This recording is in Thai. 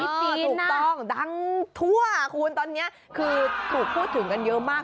ถูกต้องดังทั่วคุณตอนนี้คือถูกพูดถึงกันเยอะมาก